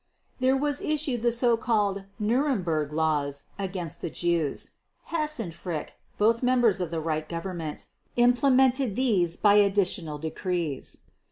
There were issued the so called "Nuremberg Laws" against the Jews. Hess and Frick, both members of the Reich Government, implemented these by additional decrees.